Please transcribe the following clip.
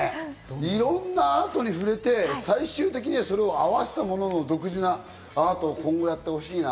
いろんなアートに触れて最終的にはそれを合わせた後、今後やってほしいな。